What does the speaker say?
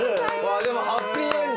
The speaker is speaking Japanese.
でもハッピーエンド